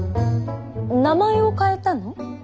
名前を変えたの？